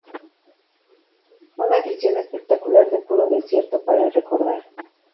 Una edición espectacular de puro desierto para recordar.